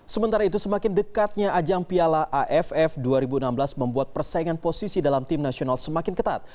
sementara itu semakin dekatnya ajang piala aff dua ribu enam belas membuat persaingan posisi dalam tim nasional semakin ketat